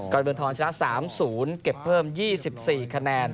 เมืองทองชนะ๓๐เก็บเพิ่ม๒๔คะแนน